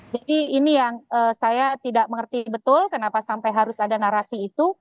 jadi ini yang saya tidak mengerti betul kenapa sampai harus ada narasi itu